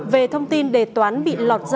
về thông tin đề toán bị lọt